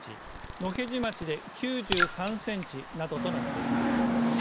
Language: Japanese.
野辺地町で９３センチなどとなっています。